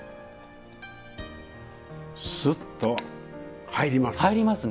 スッと入ります。